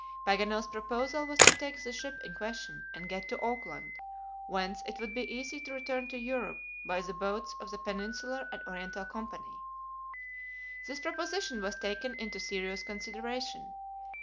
Paganel's proposal was to take the ship in question, and get to Auckland, whence it would be easy to return to Europe by the boats of the Peninsular and Oriental Company. This proposition was taken into serious consideration.